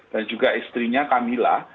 dan juga istrinya camilla